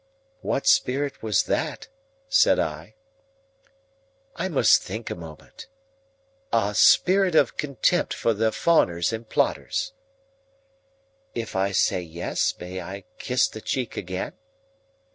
"What spirit was that?" said I. "I must think a moment. A spirit of contempt for the fawners and plotters." "If I say yes, may I kiss the cheek again?"